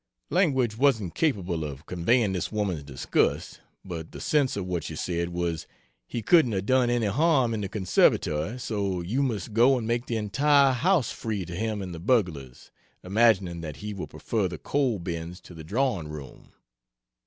Language wasn't capable of conveying this woman's disgust. But the sense of what she said, was, "He couldn't have done any harm in the conservatory so you must go and make the entire house free to him and the burglars, imagining that he will prefer the coal bins to the drawing room.